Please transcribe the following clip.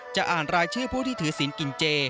อ่านรายชื่อผู้ที่ถือศีลกินเจ